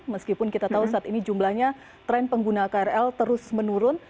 meskipun kita tahu saat ini jumlahnya tren pengguna krl terus menurun